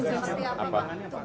tugasnya seperti apa